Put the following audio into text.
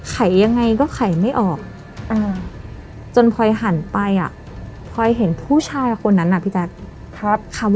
ไขยังไงก็ไขไม่ออกจนพอลิฟท์หันไปพอลิฟท์เห็นผู้ชายคนนั้นน่ะพี่จักร